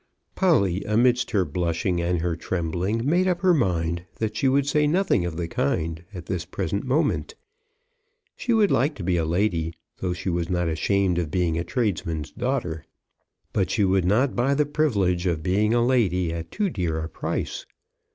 Polly amidst her blushing and her trembling made up her mind that she would say nothing of the kind at this present moment. She would like to be a lady though she was not ashamed of being a tradesman's daughter; but she would not buy the privilege of being a lady at too dear a price.